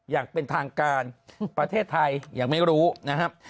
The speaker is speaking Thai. อย่างเป็นทางการประเทศไทยยังไม่รู้นะครับ